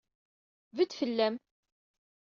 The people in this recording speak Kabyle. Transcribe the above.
Bedd fell-am!